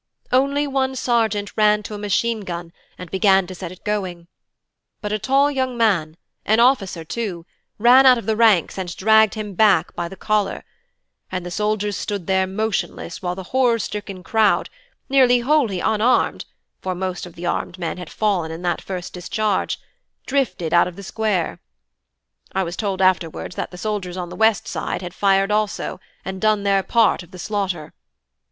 Only one sergeant ran to a machine gun and began to set it going; but a tall young man, an officer too, ran out of the ranks and dragged him back by the collar; and the soldiers stood there motionless while the horror stricken crowd, nearly wholly unarmed (for most of the armed men had fallen in that first discharge), drifted out of the Square. I was told afterwards that the soldiers on the west side had fired also, and done their part of the slaughter.